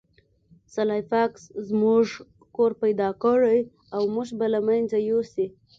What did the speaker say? سلای فاکس زموږ کور پیدا کړی او موږ به له منځه یوسي